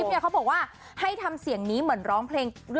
เนี่ยเขาบอกว่าให้ทำเสียงนี้เหมือนร้องเพลง